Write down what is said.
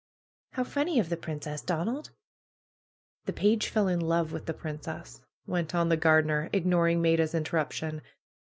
"How funny of the princess, Donald!" "The page fell in love with the princess," went on the gardener, ignoring Maida's interruption.